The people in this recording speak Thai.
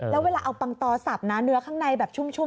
แล้วเวลาเอาปังตอสับนะเนื้อข้างในแบบชุ่ม